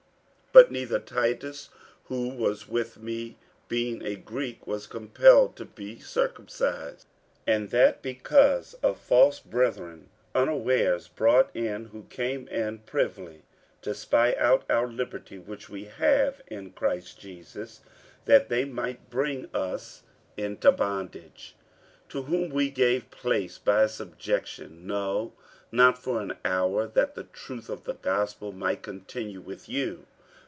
48:002:003 But neither Titus, who was with me, being a Greek, was compelled to be circumcised: 48:002:004 And that because of false brethren unawares brought in, who came in privily to spy out our liberty which we have in Christ Jesus, that they might bring us into bondage: 48:002:005 To whom we gave place by subjection, no, not for an hour; that the truth of the gospel might continue with you.